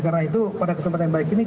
karena itu pada kesempatan yang baik ini